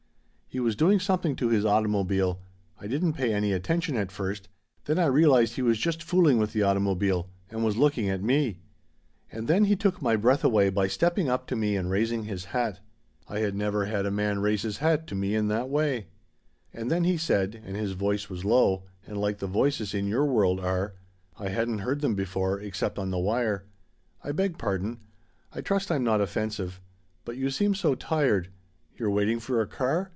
"He was doing something to his automobile. I didn't pay any attention at first then I realized he was just fooling with the automobile and was looking at me. "And then he took my breath away by stepping up to me and raising his hat. I had never had a man raise his hat to me in that way "And then he said and his voice was low and like the voices in your world are I hadn't heard them before, except on the wire 'I beg pardon I trust I'm not offensive. But you seem so tired. You're waiting for a car?